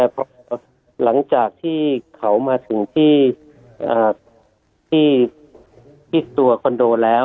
พอหลังจากที่เขามาถึงที่ตัวคอนโดแล้ว